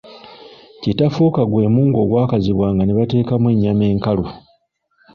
Kitafuka gwe mungu ogwakazibwanga ne bateekamu ennyama enkalu.